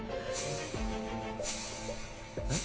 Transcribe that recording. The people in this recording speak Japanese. えっ？